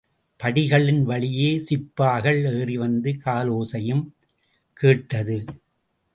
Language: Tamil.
படிகளின் வழியே சிப்பாய்கள் ஏறிவந்த காலோசையும் கேட்டது!